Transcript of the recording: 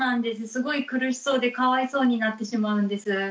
すごい苦しそうでかわいそうになってしまうんです。